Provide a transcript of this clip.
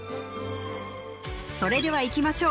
それではいきましょう